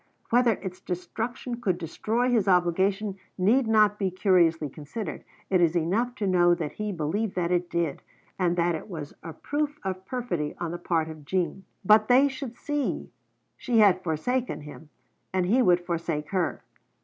Whether its destruction could destroy his obligation need not be curiously considered; it is enough to know that he believed that it did, and that it was a proof of perfidy on the part of Jean. But they should see! She had forsaken him, and he would forsake her.